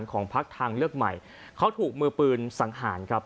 ของพักทางเลือกใหม่เขาถูกมือปืนสังหารครับ